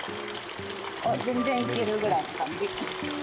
全然いけるぐらいの感じ。